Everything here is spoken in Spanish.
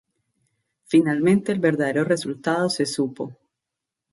Finalmente el verdadero resultado se supo.